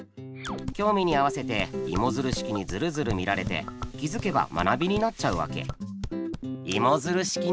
興味に合わせてイモヅル式にヅルヅル見られて気づけば学びになっちゃうわけ。